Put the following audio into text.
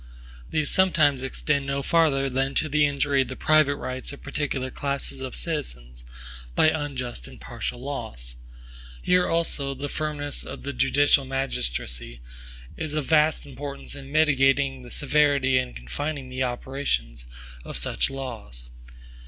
These sometimes extend no farther than to the injury of the private rights of particular classes of citizens, by unjust and partial laws. Here also the firmness of the judicial magistracy is of vast importance in mitigating the severity and confining the operation of such laws.